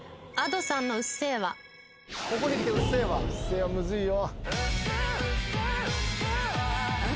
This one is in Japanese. ここに来て『うっせぇわ』『うっせぇわ』むずいよ。